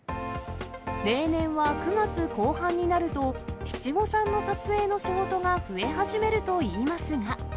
例年は９月後半になると、七五三の撮影の仕事が増え始めるといいますが。